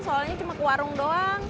soalnya cuma ke warung doang